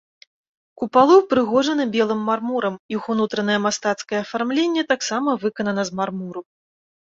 Купалы ўпрыгожаны белым мармурам, іх унутраная мастацкае афармленне таксама выканана з мармуру.